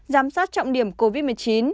giám sát trọng điểm covid một mươi chín